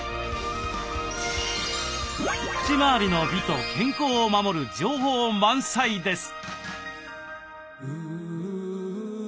口まわりの美と健康を守る情報満載です。